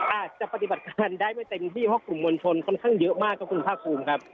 อาจจะปฏิบัติการได้ไม่เต็มที่เพราะกลุ่มมวลชนค่อนข้างเยอะมากครับคุณภาคภูมิครับ